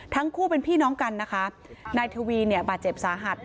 ทั้งคู่เป็นพี่น้องกันนะคะนายทวีเนี่ยบาดเจ็บสาหัส